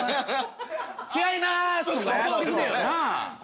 「違います！」とかやってくれよな。